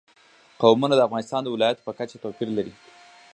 قومونه د افغانستان د ولایاتو په کچه توپیر لري.